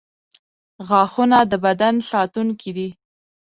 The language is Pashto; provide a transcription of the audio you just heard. • غاښونه د بدن ساتونکي دي.